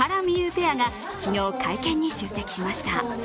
ペアが昨日、会見に出席しました。